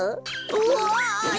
うわ！